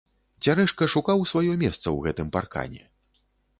Цярэшка шукаў сваё месца ў гэтым паркане.